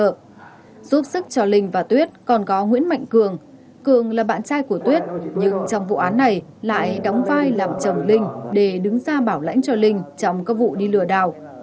giúp sức cho linh và tuyết còn có nguyễn mạnh cường cường là bạn trai của tuyết nhưng trong vụ án này lại đóng vai làm chồng linh để đứng ra bảo lãnh cho linh trong các vụ đi lừa đào